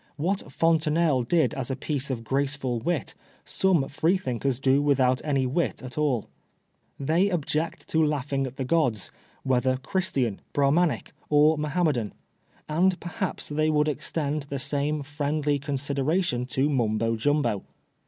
What Fontenelle did as a piece of graceful wit, some Freethinkers do without any wit at sJL They object to laughing at the gods, whether Christian, Brahmanic or Mohanmiedan; and perhaps they would extend l^e same friendly consideration to Mumbo Jumbo.